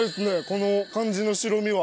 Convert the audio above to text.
この感じの白身は。